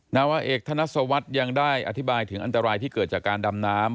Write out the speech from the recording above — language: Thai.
นาวาเอกธนสวัสดิ์ยังได้อธิบายถึงอันตรายที่เกิดจากการดำน้ำ